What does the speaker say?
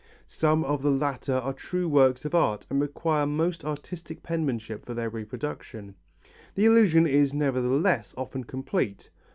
Some of the latter are true works of art and require most artistic penmanship for their reproduction. The illusion is, nevertheless, often complete.